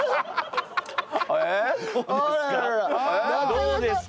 どうですか？